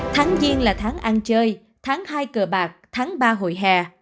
tháng giêng là tháng ăn chơi tháng hai cờ bạc tháng ba hồi hè